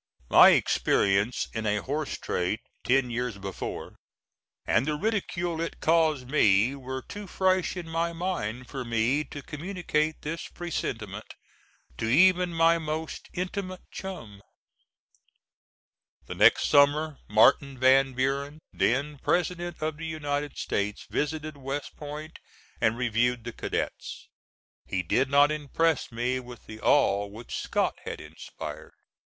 My experience in a horse trade ten years before, and the ridicule it caused me, were too fresh in my mind for me to communicate this presentiment to even my most intimate chum. The next summer Martin Van Buren, then President of the United States, visited West Point and reviewed the cadets; he did not impress me with the awe which Scott had inspired.